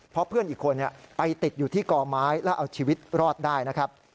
เพราะเพื่อนอีกคนไปติดอยู่ที่ก่อไม้แล้วเอาชีวิตรอดได้นะครับ